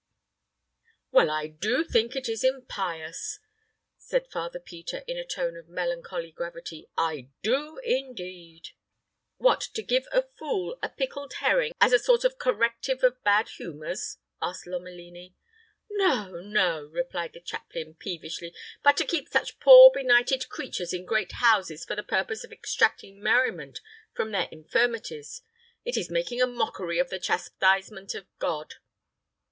"Well, I do think it is impious," said Father Peter, in a tone of melancholy gravity. "I do, indeed." "What, to give a fool a pickled herring as a sort of corrective of bad humors?" asked Lomelini. "No, no," replied the chaplain, peevishly "But to keep such poor, benighted creatures in great houses for the purpose of extracting merriment from their infirmities. It is making a mockery of the chastisement of God."